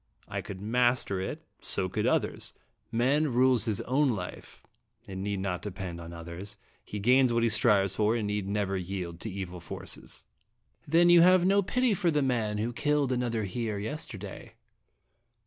I could master it ; so could others. Man rules 106 fle Dramatic in his own life it need not depend on others he gains what he strives for, and need never yield to evil forces." " Then you have no pity for the man who killed another here yesterday?"